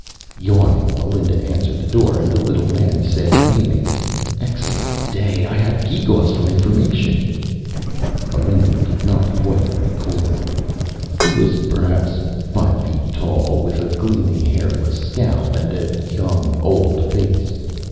Yawning, Melinda answered the door and the little man said, beaming, "Excellent day. I have geegaws for information." Melinda did not quite recoil. He was perhaps five feet tall, with a gleaming hairless scalp and a young old face.